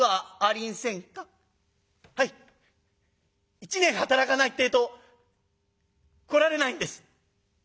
一年働かないってえと来られないんです」。